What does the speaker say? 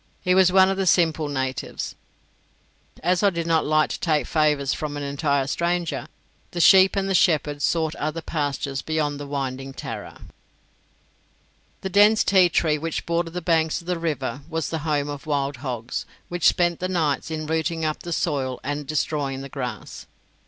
He was one of the simple natives. As I did not like to take favours from an entire stranger, the sheep and the shepherd sought other pastures beyond the winding Tarra. The dense tea tree which bordered the banks of the river was the home of wild hogs, which spent the nights in rooting up the soil and destroying the grass.